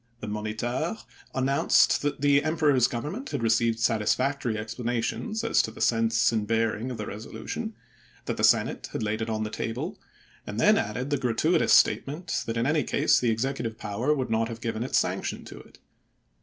The "Moniteur" announced that the Emperor's Government had received satisfactory explanations as to the sense and bearing of the reso lution ; that the Senate had laid it on the table ; and then added the gratuitous statement that in any case the Executive power would not have given its sanction to it.